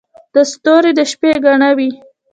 • ستوري د شپې ګاڼه وي.